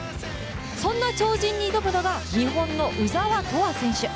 そんな超人に挑むのが日本の鵜澤飛羽選手。